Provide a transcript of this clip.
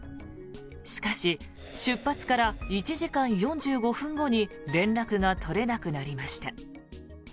しかし出発から１時間４５分後に連絡が取れなくなりました。